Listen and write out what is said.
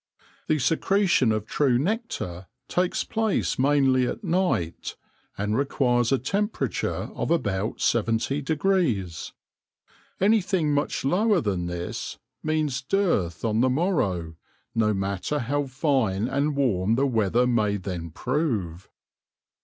The secretion of true nectar takes place mainly at night, and requires a temperature of about 70 . Anything much lower than this means dearth on the morrow, no matter how fine and warm the weather may then prove.